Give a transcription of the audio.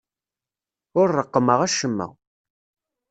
Ur reqqmeɣ acemma.